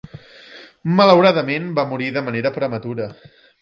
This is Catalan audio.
Malauradament va morir de manera prematura.